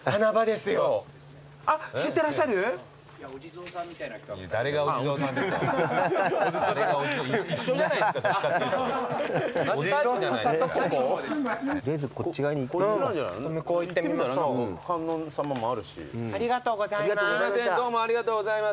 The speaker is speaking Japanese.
すいませんどうもありがとうございます。